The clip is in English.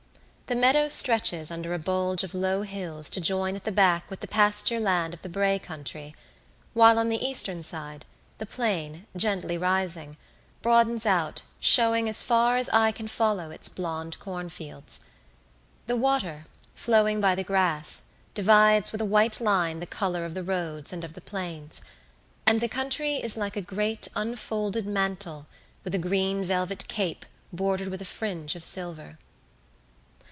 The meadow stretches under a bulge of low hills to join at the back with the pasture land of the Bray country, while on the eastern side, the plain, gently rising, broadens out, showing as far as eye can follow its blond cornfields. The water, flowing by the grass, divides with a white line the colour of the roads and of the plains, and the country is like a great unfolded mantle with a green velvet cape bordered with a fringe of silver.